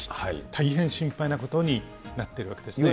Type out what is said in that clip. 大変心配なことになってるわけですね。